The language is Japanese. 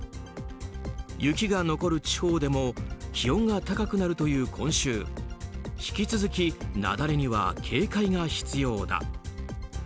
雪が残る地方でも気温が高くなるという今週引き続き、雪崩には警戒が必要だ。